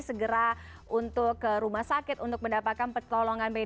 segera untuk ke rumah sakit untuk mendapatkan pertolongan